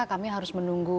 kami harus menunggu